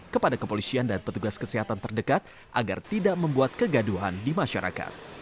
kepada kepolisian dan petugas kesehatan terdekat agar tidak membuat kegaduhan di masyarakat